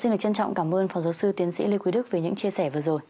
xin được trân trọng cảm ơn phó giáo sư tiến sĩ lê quý đức về những chia sẻ vừa rồi